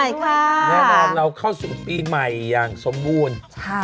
แน่นอนเราเข้าสู่ปีใหม่อย่างสมบูรณ์